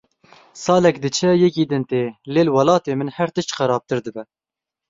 Salek diçe yekî din tê lê li welatê min her tişt xerabtir dibe.